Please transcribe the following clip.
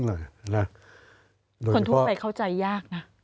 คนทั่วไปเข้าใจยากนะ